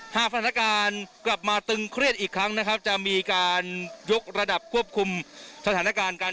หากสถานการณ์กลับมาตึงเครียดอีกครั้งนะครับจะมีการยกระดับควบคุมสถานการณ์กัน